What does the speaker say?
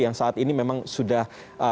yang saat ini memang sudah